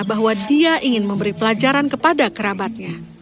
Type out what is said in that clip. bahwa dia ingin memberi pelajaran kepada kerabatnya